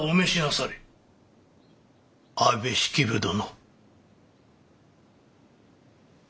安部式部殿。